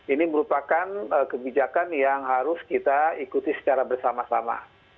ini merupakan kebijakan yang harus kita ikuti secara bersama sama